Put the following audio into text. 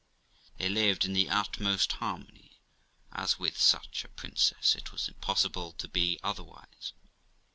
They lived in the utmost harmony, as with such a princess it was impossible to be otherwise.